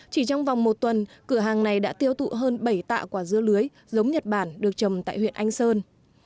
chỉ trong vòng một tuần cửa hàng này đã tiêu thụ hơn bảy tạ quả dưa lưới giống nhật bản được trồng tại huyện anh sơn